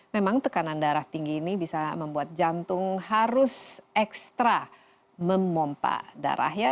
memang tekanan darah tinggi ini bisa membuat jantung harus ekstra memompa darah ya